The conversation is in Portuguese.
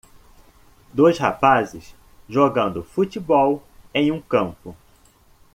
Dois rapazes jogando futebol em um campo.